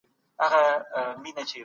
د رایې ورکولو پروسه څنګه روښانه کیږي؟